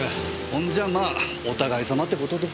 ほんじゃまぁお互い様って事で。